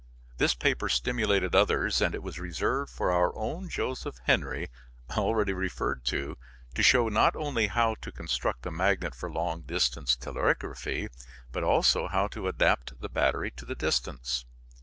This paper stimulated others, and it was reserved for our own Joseph Henry, already referred to, to show not only how to construct a magnet for long distance telegraphy, but also how to adapt the battery to the distance.